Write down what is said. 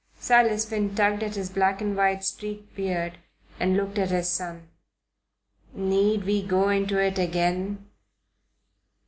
Silas Finn tugged at his black and white streaked beard and looked at his son. "Need we go into it again?